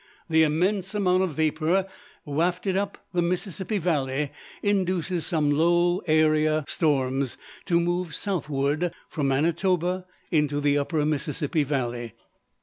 The immense amount of vapor wafted up the Mississippi valley induces some low area storms to move southward from Manitoba into the upper Mississippi valley.